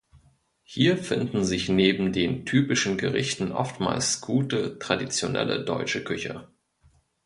Hier finden sich neben den typischen Gerichten oftmals gute, traditionelle, deutsche Küche.